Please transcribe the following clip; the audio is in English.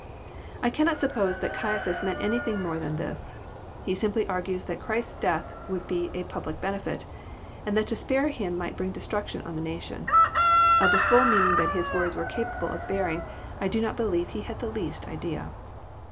I cannot suppose that Caiaphas meant anything more than this. He simply argues that Christ's death would be a public benefit, and that to spare Him might bring destruction on the nation. Of the fUU meaning that His words were capable of bearing I do not believe he had the least idea.